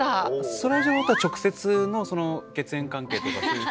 そらジローとは直接の血縁関係とかそういう？